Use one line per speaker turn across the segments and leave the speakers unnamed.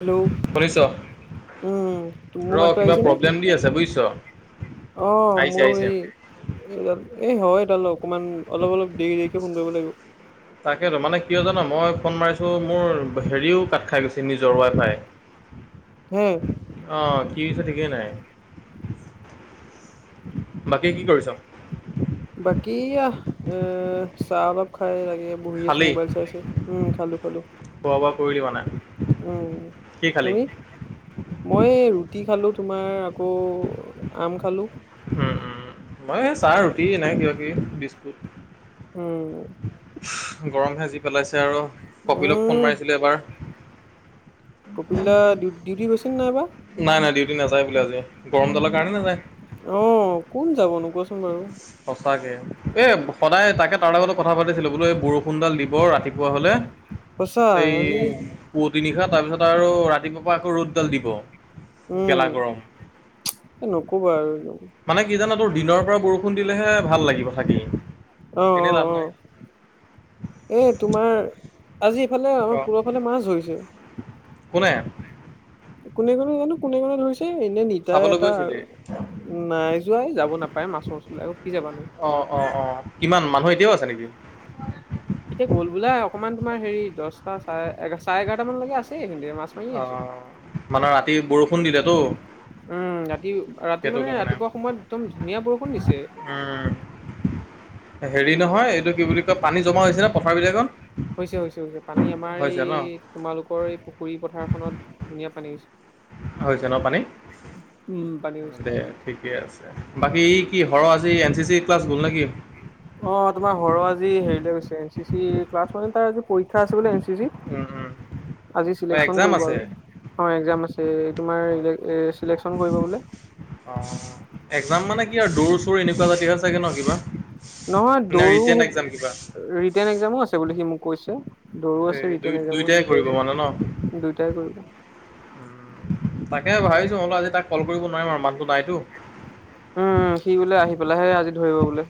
Hello
শুনিছ
উম
ৰ
মোৰ মাততো
কিবা
আহিছেনে
প্ৰব্লেম দি আছে বুজিছ
অ
আহিছে
মোৰ
আহিছে।
এই এই এই হয় [unintelligible] অলপ অলপ দেৰি দেৰিকে ফোন কৰিব লাগিব
তাকেইেতো মানে কিয় জানো, মই ফোন মাৰিছো মোৰ হেৰিও কাত খাই গৈছে নিজৰ ৱাই ফাই
হে
অ', কি হৈছে ঠিকেই নাই বাকী কি কৰিছ?
কিয়া এহ চাহ অলপ খাই লাগে এ বহি আছো
খালি
মোবাইল চাইছো, উম' খালো খালো
খোৱা বোৱা কৰিলি মানে
উম'
কি খালি
তুমি, মই ৰুটি খালো তোমাৰ আকৌ আম খালোঁ
উম', উম' মই চাহ ৰুটি নাই, কিবা কিবি বিস্কুট
উম'
গৰম হে যি পেলাইছে আৰু, কপিলক ফোন
উম,
মাৰিছিলোঁ এবাৰ।
কপিল দা ডিউ ডিউটি গৈছে নে নাইবা?
নাই নাই ডিউটি নাযায় বোলে আজি গৰম ডালৰ কাৰণে নাযায়।
অ', কোন যাবনো কোৱাচোন বাৰু?
সঁচাকে এ, সদায় তাকে তাৰ লগত কথা পাতিছিলো বোলো এই বৰষুণডাল দি ব ৰাতিপুৱা হ'লে
সঁচা
এই
আজি
পুৱতি নিশাত, তাৰপিছত আৰু ৰাতিপুৱা আকৌ ৰ'দডাল দিব। গেলা
উম,
গৰম।
এ, নকবা আৰু এ [unintelligible]
মানে কি জান তোৰ দিনৰ পৰা বৰষুণ দিলেহে ভাল লাগিব থাকি।
অ,
এনেই
অ,
লাভ
অ,
নাই।
এ, তোমাৰ আজি এইফালে আমাৰ
অ'
পুলৰফালে মাছ ধৰিছে।
কোনে
কোনে কোনে জানো কোনে কোনে ধৰিছে এনে নিতা
চাবলৈ
এটা আৰু
গৈছিলি?
নাই যোৱা যাব নাপায় মাছৰ ওচৰলে আকৌ কি যাবানো।
অ' অ' অ' কিমান মানুহ এতিয়াও আছে নেকি?
এতিয়া গ'ল বোলে অকমান তোমাৰে হেৰী দহটা চাৰে-চাৰে এঘাৰটা মানলৈকে আছে মাছ মাৰিয়ে
অ,
আছে
মানে ৰাতি বৰষুণ দিলেতো,
উম, ৰাতি ৰাতি
সেইটো
মানে
কাৰণে।
ৰাতিপুৱা সময়ত একদম ধুনীয়া বৰষুণ দিছে।
উম, হেৰি নহয় এইটো কি বুলি কয় পানী জমা হৈছে ন পথাৰ বিলাকত?
হৈছে হৈছে হৈছে পানী আমাৰ
হৈছে
এই
ন
তোমালোকৰ এই পুখুৰী পথাৰখনত ধুনীয়া পানী হৈছে।
হৈছে ন পানী?
উম পানী হৈছে
দে ঠিকে আছে বাকী কি হয় [unintelligible] আজি এন চি চি ক্লাছ গ'ল নেকি?
অ তোমাৰ হৰ আজি হেৰিলৈ গৈছে এন চি চি ক্লাছ মানে তাৰ পৰীক্ষা আছে
উম,
[unintelligible]
উম।
আজি
অ
চিলেকচন
এক্জাম
কৰিব
আছে
আৰু অ একজাম আছে এ,
হয়
তোমাৰ চিলেকন কৰিব বোলে।
অ, একজাম মানে কি আৰু দৌৰ চুৰ এনেকুৱা জাতীহে চাগে ন কিবা?
নহয়
নে
দৌৰ,
ৰিটেন এক্জাম কিবা
ৰিটেৰ্ণ একজামো আছে বুলি সি মোক কৈছে। দৌৰো
এই
আছে
দুই
ৰিটেন একজামো
দুইটাই কৰিব মানে ন
আছে দুয়টাই কৰিব।
উম, তাকে ভাবিছো মই বোলো আজি তাক কল কৰিব নোৱাৰিম আৰু ম
উম, সি বোলে আহি পেলাইহে আজি ধৰিব বোলে।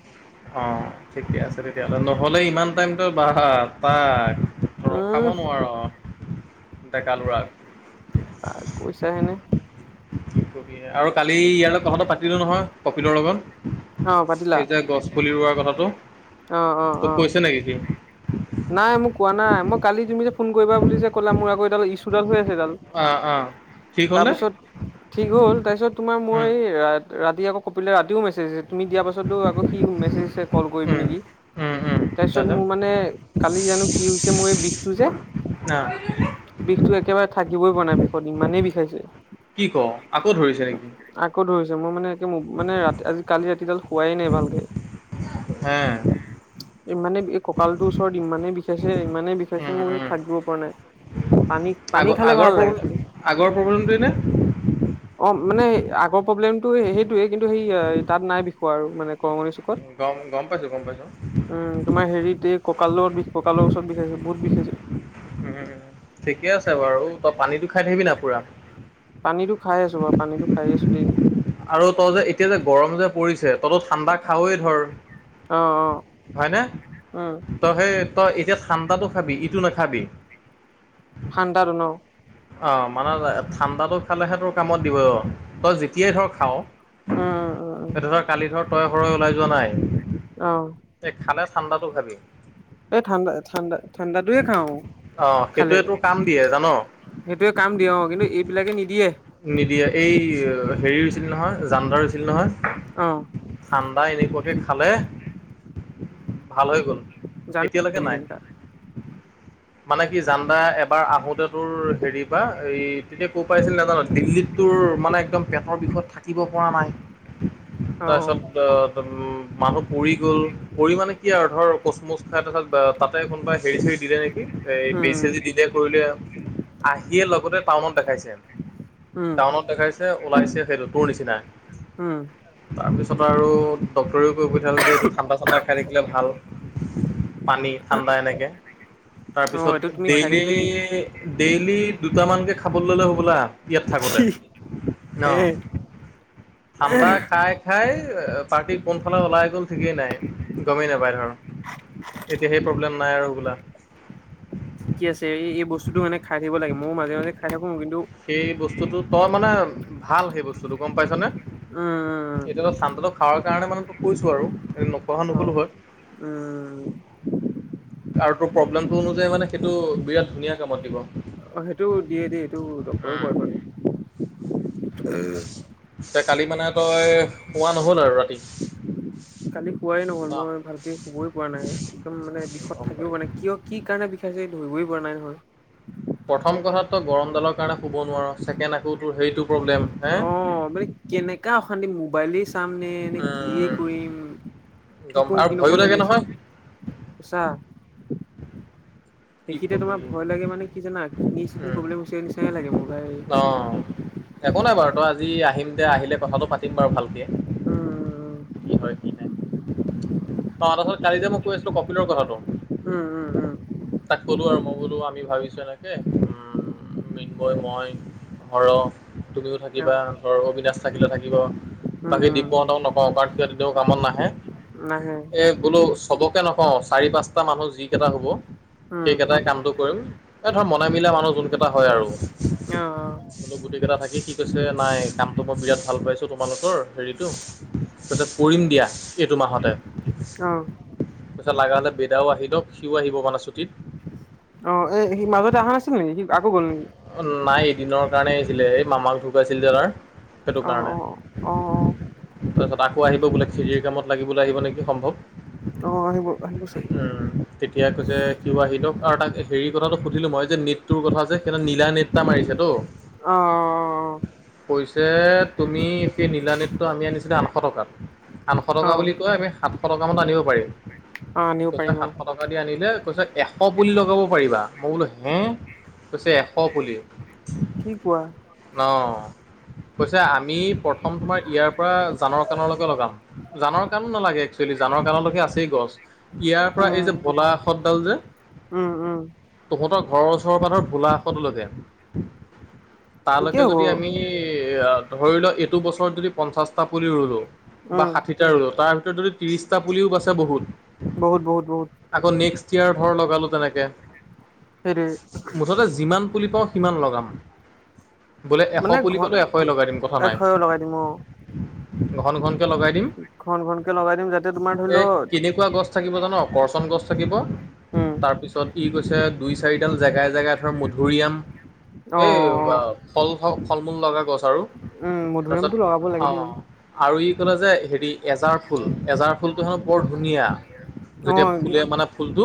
অ, ঠিকে আছে তেতিয়াহ'লে নহ'লে ইমান টাইমত বাহা তাক ৰখাব
উম
নোৱাৰো অ, ডেকা ল'ৰাক।
কৈছা হেনে
কি কবি আৰু কালি ইয়াৰ লগত কথাটো পাতিলো নহয় কপিলৰ লগত।
আহ, পাটিলা?
এই যে [unintelligible] কথাটো,
অ', অ',
তোক
অ',
কৈছে নেকি সি
নাই মোক কোৱা নাই মই কালি তুমি যে ফোন কৰিব বুলি যে ক'লা, মোৰ আক এডাল ইছুডাল হৈ আছে।
অঁ অঁ
[unintelligible]
ঠিক হ'লনে
তাৰপিছত ঠিক হ'ল তাৰপিছত তোমাৰ মই
উম।
এই ৰাতি আকৌ কপিলে ৰাতিও মেছেজ আছে তুমি দিয়া পাছতো আকৌ সি মেছেজ দিছে কল কৰিবি
উম,
নেকি? [unintelligible]
উম, উম,
তাৰপিছত
তাৰপিছত
মোৰ মানে কালি জানো কি হৈছে মোৰ এই বিষটো যে।
না
বিষতো একেবাৰে থাকিবই পৰা নাই বিষত ইমানেই বিষাইছে।
কি ক' আকৌ ধৰিছে নেকি?
আকৌ ধৰিছে মই মানে একে মানে ৰাতি আজি কালি ৰাতিডাল শোৱাই নাই ভালকে।
হে?
ইমানে এই কঁকালটোৰ ওচৰত ইমানে বিষাইছে ইমানে বিষাইছে
উম,
মোৰ
উম,
থাকিব পৰা নাই। পানী-পানী
আগৰ
খালে
আগৰ
ভাল লাগে
প্ৰব্লেম
খালি। অ,
আগৰ প্ৰব্লেমটোৱে নে?
মানে আগৰ প্ৰব্লেমটো সেইটোয়ে কিন্তু সেই তাত নাই বিষোৱা আৰু মানে [unintelligible]
গ-গম পাই
উম, তোমাৰ হেৰিত এই কঁকালত বিষ কঁকালৰ ওচৰত বিষাইছে বহুত বিষাইছে।
উম, ঠিকে আছে বাৰু তই পানীটো খাই থাকিবি না পুৰা।
পানীটো খাই আছো বাৰু পানীটো খাই আছো দেই।
আৰু তই যে এতিয়া যে গৰম যে পৰিছে তইতো ঠাণ্ডা খাৱেই ধৰ।
অ', অ'।
হয়নে?
উম
তই সেই তই এতিয়া ঠাণ্ডাটো খাবি ইটো নাখাবি।
ঠাণ্ডাতো ন?
অ', মানে ঠাণ্ডাটো খালেহে তোৰ কামত দিবই অ' তই যেতিয়াই ধৰ খাৱ।
উম উম উম উম
এতিয়া ধৰ কালি ধৰ তই সৰুৱে ওলাই যোৱা নাই
অ',
এই খালে ঠাণ্ডাটো খাবি।
এই ঠাণ্ডা ঠাণ্ডা ঠাণ্ডাটোয়ে খাওঁ
অ',
খালে।
সেইটোৱে তোৰ কাম দিয়ে জান?
সেইটোৱে কাম দিয়ক। অ', কিন্তু এইবিলাকে নি
নিদিয়ে। এই হেৰি হৈছিল নহয় জানদাৰ হৈছিল নহয়।
অ'।
তাই এনেকুৱাকে খালে। ভাল হৈ গ'ল
জানো
এতিয়ালৈকে নাই।
কেনেকা
মানে কি জানদা এবাৰ আহোতে তোৰ হেৰি পৰা এই তেতিয়া ক'ৰ আহিছিল নাজানো। দিল্লীত তোৰ মানে একদম পেটৰ বিষয় থাকিব পৰা নাই। তাৰ
অ',
পিছত আহ মানুহ পৰি গ'ল পৰি মানে কি আৰু ধৰ কুচমুচ খাই তাৰ পিছত বা তাতে কোনোবায়ে হেৰি চেৰি দিলে নেকি এ বেজি
উম,
চেজি দিলে কৰিলে। আহিয়ে লগতে টাউনত দেখাইছে।
উম,
টাউনত দেখাইছে ওলাইছে সেইটো তোৰ নিচিনাই।
উম।
তাৰপিছত আৰু ডক্টৰেও কৈ পঠিয়ালে যে এইটো ঠাণ্ডা চাণ্ডা খাই থাকিলে ভাল। পানী ঠাণ্ডা এনেকে।
অ',
তাৰপিছত
এইটো তুমি খাই
ডেইলি
থাকিলে ঠিক
ডেইলি দুটামানকে খাবলৈ ল'লে হ'বলা। ইয়াত থাকোঁতে ন।
এ
ঠাণ্ডা খাই খাই পাৰ্টি কোনফালে ওলাই গ'ল ঠিকেই নাই গ'মেই নাপায় ধৰ। এতিয়া সেই প্ৰব্লেম নাই আৰু হ'বলা।
মইও মাজে মাজে খাই কিন্তু
সেই বস্তুটো তই মানে ভাল সেই বস্তুটো গম পাইছ নে।
উম,
এতিয়াতো চান্দাটো খাৱাৰ কাৰণে মানে কৈছো আৰু নোখোৱা হৈ নক'লো
অ',
হয়। [inaudible]
উম,
আৰু তোৰ প্ৰব্লেমটো অনুযায়ী মানে সেইটো বিৰাট ধুনীয়া কামত দিব।
অ', সেইটো দিয়ে দে এইটো ডক্টৰেও
উম।
কয় মানে।
এতিয়া কালি মানে তই শুৱা নহ'ল আৰু ৰাতি?
কালি শোৱাই নহ'ল
ন?
মই ভালকে শুবই পৰা নাই। একদম মানে বিষত
গম
থাকিবও পৰা
পাইছোঁ।
নাই কিয় কি কাৰণে কিয় বিষাইছে ধৰিবয়ে পৰা নাই নহয়।
প্ৰথম কথাত তই গৰম ডালৰ কাৰণে শুব নোৱাৰো চছেকেণ্ড আকৌ তোৰ সেইটো প্ৰব্লেম হে
অ', মানে কেনেকা অশান্তি মোবাইলে চামনে এনে কি
উম,
কৰিম কি
গম
কৰো
আৰু
কি
ভয়ো
নকৰো
লাগে
লাগি আছিল।
নহয়
ছা
কি
এইখিনিতে
কবি
তোমাৰ ভয় লাগে মানে কি জানা কিডনি চিডনি
উম,
প্ৰব্লেম হৈছে নিচিনা হে লাগে মোৰ।
অ', একো নাই বাৰু তই আজি আহি আহিলে কথাটো পাতিম বাৰু ভালকে।
উম,
কি হয় কি নাই। তাৰপিছতে কালি যে মই কৈ আছিলো কম্পিউটাৰ কথাটো।
উম, উম, উম।
ক'লোঁ আৰু মই বোলো আমি ভাবিছোঁ এনেকে। উম, মৃণময় মই। হৰ তুমিও
উম,
থাকিবা ধৰ অবিনাশ থাকিলে থাকিব
উম,
বাকী
উম,
দিব্যহঁকত নকওঁ কাৰণ সিহঁত কেতিয়াও কামত নাহে।
নাহে।
এ বোলো চবকে নকওঁ চাৰি পাঁচটা মানুহ যি কেইটা হ'ব।
উম,
সেইকেইটাই কামটো কৰিম। এই ধৰা মনে মিলা মানুহ যোন কেইটা হয় আৰু।
[unintelligible]
বোলো গোটেই কেইটা থাকি কি কৈছে নাই কামটো মই বিৰাট ভাল পাইছোঁ তোমালোকৰ হেৰিতো কৰিম দিয়া এইটো মাহতে।
অ'।
[unintelligible] লাগা হ'লে বেদাও আহি দক সিওঁ আহিব মানে ছুটিত।
এ সি মাজতে অহা নছিল নেকি গ'ল নেকি।
নাই এদিনৰ কাৰণেই আহিছিলে এই মামাক ঢুকাইছিল যে তাৰ। সেইটো
অ',
কাৰণে,
অ', অ',
তাৰপিছত আ [unintelligible] আহিব বোলে খিৰিৰ কামত লাগিবলৈ আহিব নেকি সম্ভৱ।
অ', আহিব আহিব চাগে
উম, তেতিয়া কৈছে সিওঁ আহি লক আৰু তাক হেৰি কথাটো সু [unintelligible] মই যে নেটটোৰ কথা যে সেইনা নীলা নেটটা মাৰিছেতো।
অ', অ',
কৈছে তুমি এতি নীল নীতটো আমি আনিছিলোঁ আন আঠশ টকাত, আঠশ টকা
অ',
বুলি কয় আমি সাতশ টকা মানত আনিব পাৰিম।
অ', আনিব
কৈছা
পাৰিম অ',
সাতশ টকা দি আনিলে কৈছা এশ বুলি লগাব পাৰিবা মই বোলো হে, কৈছে এশ পুলি।
কি কোৱা
ন' কৈছে আমি প্ৰথম তোমাৰ ইয়াৰ পৰা জানৰ কাণলৈকে লগাম, জানৰ কাণো নালাগে এক [unintelligible] জানৰ কাললৈকে আছেই গছ। ইয়াৰ পৰা
উম,
এই যে বলা আঁহতডাল যে,
উম, উম,
তহঁতক ঘৰ ওচৰৰ পাথৰ ভোলা কাষৰ তলতে।
ঠিকেই
তালৈকে
হ'ব
যদি আমি এ ধৰি লোৱা এইটো বছৰত যদি পঞ্চাশটা পুলি ৰুলো। বা
উম।
ষাঠিটা ৰুলো তাৰ ভিতৰত যদি ত্ৰিশটা পুলিও বাচে বহুত।
বহুত বহুত বহুত।
[unintelligible] ধৰ লগালো তেনেকে।
সেইটোৱে।
মুঠতে যিমান পুলি পাওঁ সিমান লগাম। বোলে এশ
মানে
পুলি
ঘন
পালোঁ এশই লগাই দিম কথা নাই।
এশয় লগাই দিম অ
ঘন ঘনকে লগাই দিম,
ঘন ঘনকে লগাই দিম যাতে তোমাৰ ধৰি
এই
লও
কেনেকুৱা গছ [unintelligible] জানো গৰ্জন গছ থাকিব, তাৰপিছত ই কৈছে দুই চাৰিডাল জেগাই [unintelligible] মধুৰিআম এই ফল ফলমুল লগা গছ [unintelligible]
উম
তাৰপিছত
মধুৰিআমটো লগাব লাগে দেই
অ'। আৰু ই ক'লে যে হেৰি এজাৰ ফুল এজাৰ ফুলটো হেনো বৰ ধুনীয়া,
অ
যেতিয়া ফুলে মানে ফুলটো,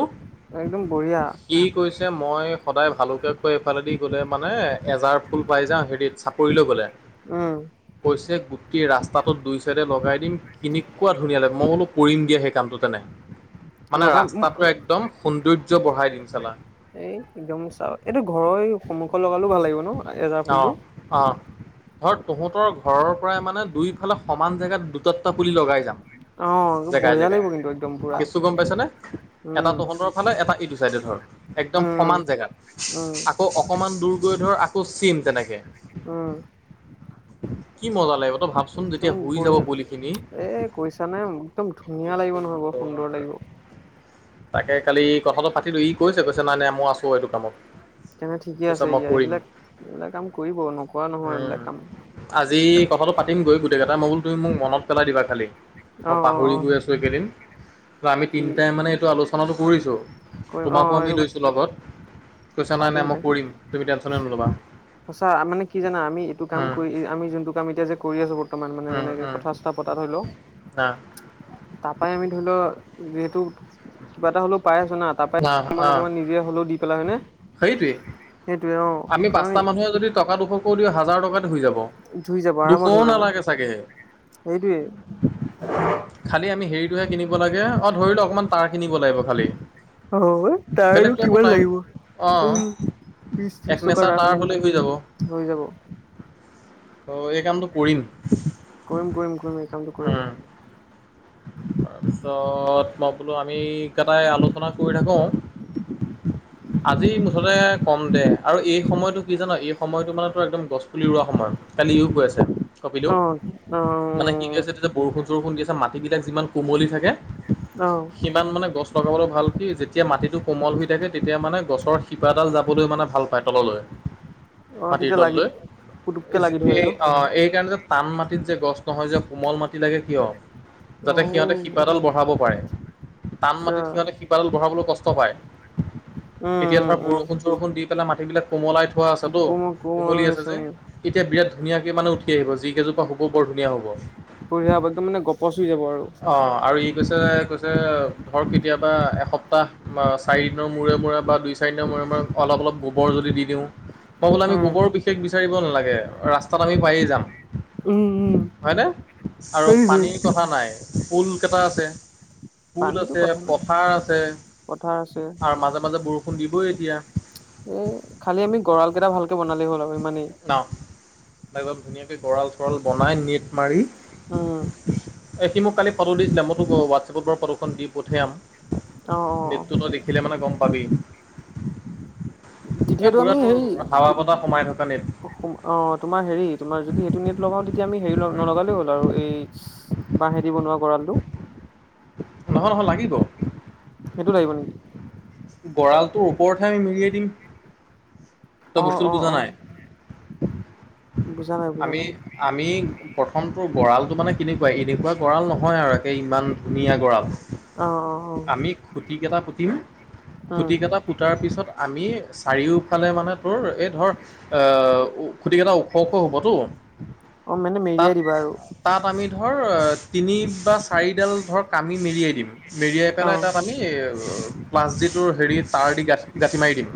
একদম বঢ়িয়া
সি কৈছে মই সদায় ভালকে কৈ এইফালেদি ক'লে মানে এজাৰ ফুল পাই যাওঁ হেৰিত চাকৰিলৈ গ'লে।
উম।
পিছে গুটে ৰাস্তাটোত দুই চাইডে লগাই দিম কেনেকুৱা ধুনীয়া লাগে মই বোলো কৰিম দিয়া সেই কামটো তেনে। মানে
লগাম
ৰাস্তাটো একদম সৌন্দৰ্য্য বঢ়াই দিম চালা।
এই একদম চা এইটো ঘৰৰ সন্মুখ লগালো ভাল লাগিব ন' এজাৰ
অ',
ফুলটো।
অ'। ধৰ তহঁতৰ ঘৰৰ পৰাই মানে দুইফালে সমান জেগাত দুটা দুটা পুলি লগাই
অ
জেগাই
বঢ়িয়া
জেগাই।
লাগিব কিন্তু একদম পুৰা
কেচু গ'ম পাইছো নে, এটা
উম
তহঁতৰ ফালে এটা ইটো চাইডে ধৰ একদম
উম
সমান জেগা।
উম
আকৌ অকমান দূৰ গৈ ধৰ আকৌ চেম তেনেকে।
উম।
[inaudible] কি মজা লাগিব তই ভাবচোন
একদম
যেতিয়া শুই যাব
বঢ়িয়া
পুলি খিনি।
এ কৈছা নে একদম ধুনীয়া লাগিব নহয় বৰ সুন্দৰ লাগিব।
তাকে কালি কথাটো পাতিলো ই কৈছে কৈছে নাই নাই মই আছোঁ এইটো কামত।
তেনে ঠিকে
কৈছে
আছে
মই
ইয়া
কৰিম।
এইবিলাক এইবিলাক কাম কৰিব নকৰা নহয় এইবিলাক কাম।
এই কথাটো পাতিম গৈ গোটেইকেইটা মই বুলো তুমি মনত পেলাই দিবা খালি।
অ
মই
অ
পাহৰি
অ
গৈ আছোঁ এইকেদিন। তো আমি
ঠিক
তিনিটাই মানে এইটো আলোচনাটো কৰিছোঁ,
কৰিম অ
তোমাকো আমি
এইটো
লৈছোঁ লগত। কৈছো নাই
পাতিম তে
মই কৰিম, তুমি টেনশনে নোলবা।
সঁচা মানে কি জানা, আমি এইটো কাম
উম,
কৰি আমি যোনটো কাম এতিয়া যে কৰি আছো বৰ্তমান মানে যেনেকে কথা পতা ধৰি লও।
অ।
তপাই আমি ধৰি ল যিহেতু কিবা এটা হলেও পাই আছ না, তাৰ পৰা- অকমান অকনমান নিজে হলেও দি পেলাই হয়নে।
সেইটোয়ে।
সেইটোয়ে অ
আমি
কাৰণ
পাঁচটা মানুহে যদি টকা দুশৰ কৰি দিওঁ হাজাৰ টকা যাব। দুশও নালাগে চাগে
সেইটোৱেই।
খালি আমি হেৰিটোহে কিনিব লাগে, অ ধৰিলো অকণমান তাঁৰ কিনিব লাগিব খালি।
অ তাৰো
বেলেগ একো
কিমান
নাই
লাগিব
অ।
উম বিশ
এক
ত্ৰিশ টকা
নেচা
এটা
তাৰ
হ'লে
হ'লেই হৈ যাব।
হৈ যাব
অ এই কামটো কৰিম।
কৰিম-কৰিম-কৰিম একামটো কৰিম।
উম, তাৰপিছত মই বোলো আমি কেইটাই আলোচনা কৰি থাকোঁ [inaudible] আজি মুঠতে কম দে আৰু এই সময়টো কি জান, এই সময়তটো মানে তোৰ একদম গছ পুলি ৰা সময়। কালি ইউ কৈ আছে। কপিলেউ,
অ অ
মানে কি কি আছে যে বৰষুণ-চৰষুণ দি আছে মাটিবিলাক যিমান কোমলি থাকে
অ অ
সিমান মানে গছ লগাবলৈ ভাল কি যেতিয়া মাটিটো কোমল হৈ তেতে-তেতিয়া মানে গছৰ শিপাডাল যাবলৈ মানে ভাল পায় তললৈ
অ
মাটিৰ
তেতিয়া লাগি
তললৈ,
পুতুককে লাগি
যিখিনি
ধৰে ন
অ' এইকাৰনে টান মাটিত যে গছ নহয় যে, কোমল মাটি লাগে কিয়? যাতে সিহঁতে শিপাডাল বঢ়াব পাৰে। টান
আচ্ছা
মাটিত সিহঁতে শিপাডল বঢ়াবলৈও কষ্ট পায়।
উম
এতিয়া ধৰ
উম
বৰষুণ-চৰষুণ দি পেলাই মাটিবিলাক কোমলাই থোৱা
উম
আছেতো,
কোমল কোমল
কোমলি
হৈ
আছে যে।
উম
এতিয়া বিৰাট ধুনীয়াকৈ মানে উঠ আহিব, যি কেইজোপা হ'ব বৰ ধুনীয়া হ'ব।
পচি যাব আৰু
আৰু ই কৈছে ধৰক কেতিয়াবা এসপ্তাহ বা চাৰিদিনৰ মূৰে মূৰে বা দুই চাৰিদিনৰ মূৰে অলপ অলপ গোবৰ যদি দি দিওঁ। মই বোলো আমি
উম
গোবৰ বিশেষ বিচাৰিব নালাগে, ৰাস্তাত আমি পায়ে যাম।
উম উম
হয়নে? আৰু
সেইটোৱে
পানীৰ কথা নাই পুল কেইটা আছে। পুল
পানীতো
আছে,
কথা নাই
পথাৰ আছে
পথাৰ আছে
আৰু মাজে মাজে বৰষুণ দিবই এতিয়া।
উম খালি আমি গঁৰাল কেইটা ভালকে বনালে হ'ল আৰু। ইমানেই
ন একদম ধুনীয়াকে গঁৰাল চৰাল বনাই নেট মাৰি,
উম
এই সি মোক কালি ফটো দিছিলে মোক তোক হোৱাটছপত বাৰু ফটোখন দি পঠিয়াম,
অ অ
নেটটো তই দেখিলে মানে গম পাবি এই
তেতিয়াতো
পুৰা
আমি
তোৰ হাৱা বতাহ সোমাই থকা নেট
হেৰি অ তোমাৰ হেৰি, তোমাৰ যদি সেইটো নেট লগাও তেতিয়া আমি হেৰি নলগালেই হ'ল আৰু এই বাঁহেদি বনোৱা গঁৰালটো
নহয় নহয় লাগিব।
সেইটো লাগিব নেকি?
গঁৰালটো ওপৰতহে আমি মেৰিয়াই দিম
অ
তই
অ
বস্তুটো বুজা
অ
নাই
বুজা নাই বুজা
আমি
নাই
আমি প্ৰথমটোৰ গঁৰালটো মানে কেনেকুৱা এনেকুৱা গঁড়াল নহয় আৰু একে ইমান ধুনীয়া গঁড়াল।
অ অ অ
আমি খুটিকেইটা পুতিম,
উম
খুটি কেইটা পুতাৰ পিছত আমি চাৰিওফালে মানে তোৰ এই ধৰ অ ' খুটিকেইটা ওখ হবটো
অ মানে মেৰিয়াই দিবা আৰু
তাত আমি ধৰ তিনি বা চাৰিডাল ধৰ কামি মেৰিয়াই দিম মেৰিয়াই পেলাই
অ
তাত আমি প্লাছদিটোৰ হেৰি তাঁৰ দি গাঠ গাঁঠি মাৰি দিম।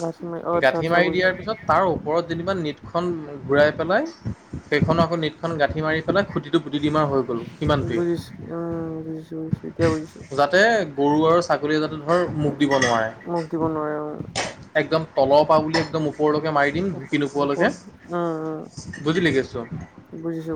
গাছমে অ আচ্ছা
গাঁঠি
আচ্ছা
মাৰি দিয়াৰ
বুজিছো
পিছত তাৰ ওপৰত যেনিবা নেট- খন ঘূৰাই পেলাই সেইখনো আকৌ নেটখন গাঠি মাৰি পেলাই খুঁটি পুটি ডিম আৰু হৈ গ'ল সিমানটোৱেই
বুজিছো উম বুজিছো বুজিছো এতিয়া বুজিছো
যাতে গৰু আৰু ছাগলীয়ে যাতে ধৰ মুখ দিব নোৱাৰে।
মোক দিব নোৱাৰে অ
একদম তলৰ পৰা বুলি একদম ওপৰলৈকে মাৰি দিম
ওপ
ঢুকি
ওপৰ উম
নোপোৱালৈকে বুজিলি কেছটো
উম বুজিছো